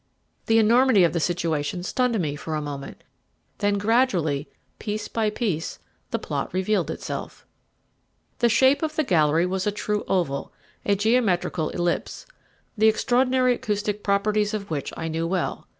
The enormity of the situation stunned me for a moment, then gradually, piece by piece, the plot revealed itself. The shape of the gallery was a true oval, a geometrical ellipse, the extraordinary acoustic properties of which I knew well.